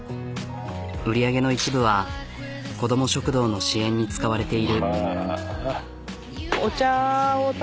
売り上げの一部は子ども食堂の支援に使われている。